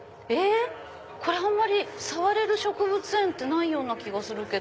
これあんまり触れる植物園ってないような気がするけど。